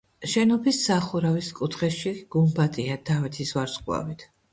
შენობის სახურავის კუთხეში გუმბათია დავითის ვარსკვლავით.